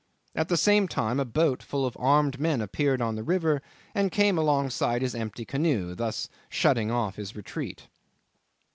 At the same time a boat full of armed men appeared on the river and came alongside his empty canoe, thus shutting off his retreat.